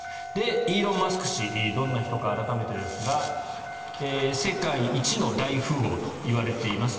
イーロン・マスク氏どんな人か改めてですが世界一の大富豪といわれています。